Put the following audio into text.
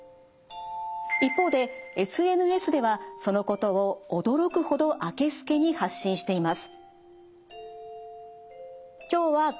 一方でＳＮＳではそのことを驚くほどあけすけに発信しています。